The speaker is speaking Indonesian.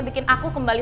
bikin aku kembali